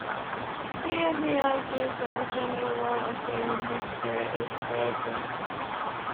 Here, he argues that the general law of human history is progress.